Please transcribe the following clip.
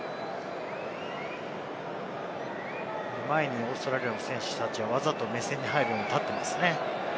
前にオーストラリアの選手たちはわざと目線に入るように立っていますね。